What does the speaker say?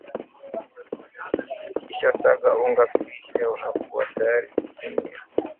ukisha saga unga klishe unakua tayari kutumia